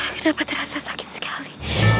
kenapa terasa sakit sekali